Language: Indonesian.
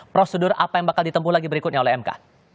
prosedur apa yang bakal ditempuh lagi berikutnya oleh mk